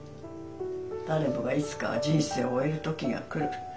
誰もがいつかは人生を終える時が来る。